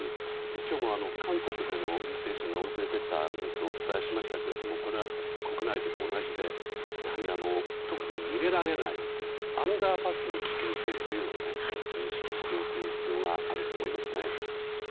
今日も韓国での犠牲者が大勢出たニュースをお伝えしましたがこれは国内でも同じで特に逃げられないアンダーパスの危険性というのは認識しておく必要があると思います。